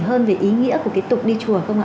hơn về ý nghĩa của cái tục đi chùa không ạ